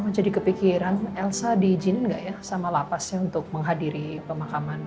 mama jadi kepikiran elsa di izinkan gak ya sama lapasnya untuk menghadiri perbualaan ini ya